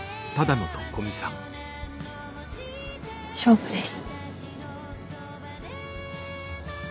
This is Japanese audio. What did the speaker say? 勝負です。